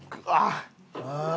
ああ！